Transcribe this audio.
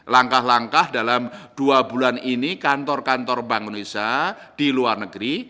langkah langkah dalam dua bulan ini kantor kantor bank indonesia di luar negeri